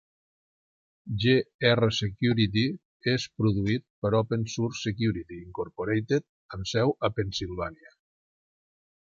Grsecurity és produït per Open Source Security, Incorporated, amb seu a Pennsylvania.